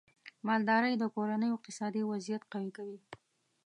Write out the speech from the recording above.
مالدارۍ د کورنیو اقتصادي وضعیت قوي کوي.